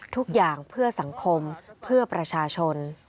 ทุกอย่างเพื่อสังคมเพื่อประชาชน